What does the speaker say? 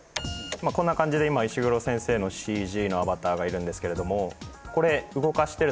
こんな感じで今石黒先生のＣＧのアバターがいるんですけれどもこれ。